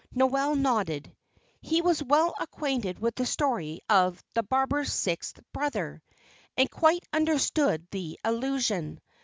Noel nodded. He was well acquainted with the story of "The Barber's Sixth Brother," and quite understood the allusion.